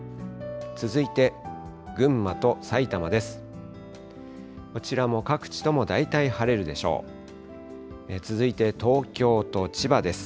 続いて群馬と埼玉です。